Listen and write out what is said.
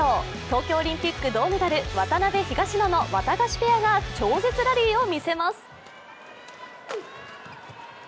東京オリンピック銅メダル渡部・東野のわたがしペアが超絶ラリーを見せます。